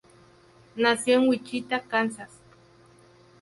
Nació en Wichita, Kansas.